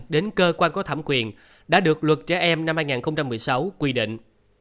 đến cơ quan có thẩm quyền đã được luật trẻ em năm hai nghìn một mươi sáu quy định